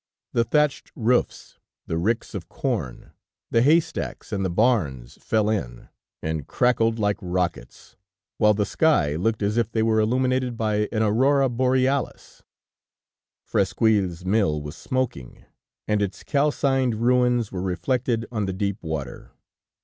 The thatched roofs, the ricks of corn, the haystacks, and the barns fell in, and crackled like rockets, while the sky looked as if they were illuminated by an aurora borealis. Fresquyl's mill was smoking, and its calcined ruins were reflected on the deep water.